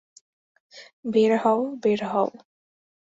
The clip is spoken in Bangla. বের হও, বের হও।